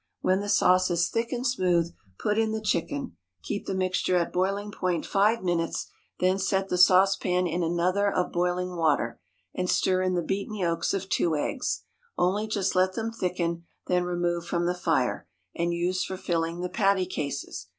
When the sauce is thick and smooth, put in the chicken; keep the mixture at boiling point five minutes, then set the saucepan in another of boiling water, and stir in the beaten yolks of two eggs; only just let them thicken; then remove from the fire, and use for filling the patty cases.